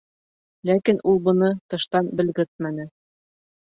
Ләкин ул быны тыштан белгертмәне.